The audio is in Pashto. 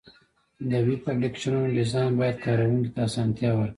د ویب اپلیکیشنونو ډیزاین باید کارونکي ته اسانتیا ورکړي.